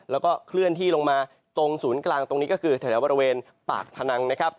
แล้วก็เคลื่อนที่ลงมาตรงศูนย์กลางตรงนี้ก็คือแถวบริเวณปากพนังนะครับ